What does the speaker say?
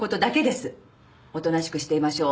おとなしくしていましょう。